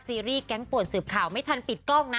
ซีรีส์แก๊งป่วนสืบข่าวไม่ทันปิดกล้องนะ